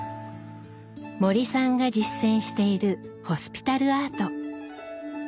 森さんが実践している「ホスピタルアート」。